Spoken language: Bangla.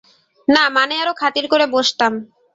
না, মানে আরো খাতির করে বসতাম।